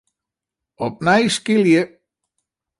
Opnij skilje.